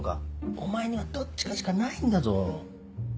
お前にはどっちかしかないんだぞ。